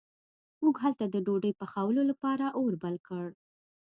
موږ هلته د ډوډۍ پخولو لپاره اور بل کړ.